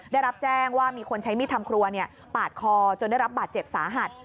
ได้รับแจ้งว่ามีคนใช้มีดทำครัวปาดคอจนได้รับบาดเจ็บสาหัส